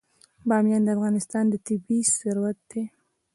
بامیان د افغانستان طبعي ثروت دی.